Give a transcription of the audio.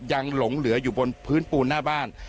หลงเหลืออยู่บนพื้นปูนหน้าบ้าน